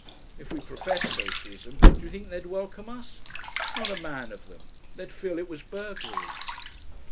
If we professed Socialism do you think they'd welcome us? Not a man of them! They'd feel it was burglary...."